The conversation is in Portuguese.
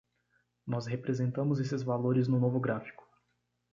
Nós representamos esses valores no novo gráfico.